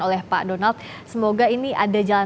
oleh pak donald semoga ini ada jalan